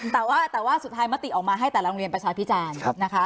แต่ว่าสุดท้ายมันติออกมาให้แต่ละโรคเรียนประชาพิจารณ์